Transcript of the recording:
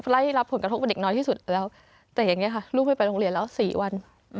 ไล่รับผลกระทบกับเด็กน้อยที่สุดแล้วแต่อย่างนี้ค่ะลูกไม่ไปโรงเรียนแล้ว๔วัน